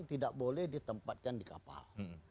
tidak boleh ditempatkan di kapal